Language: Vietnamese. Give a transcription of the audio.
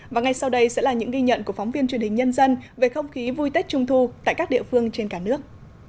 và ngay sau đây sẽ là những ghi nhận của phóng viên truyền hình nhân dân về không khí vui tết trung thu tại các địa phương trên cả nước